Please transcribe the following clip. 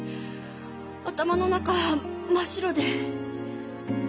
頭の中真っ白で。